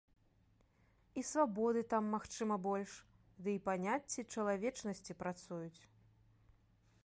І свабоды там, магчыма, больш, ды і паняцці чалавечнасці працуюць!